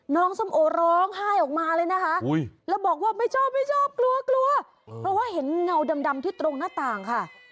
ส้มโอร้องไห้ออกมาเลยนะคะแล้วบอกว่าไม่ชอบไม่ชอบกลัวกลัวเพราะว่าเห็นเงาดำที่ตรงหน้าต่างค่ะ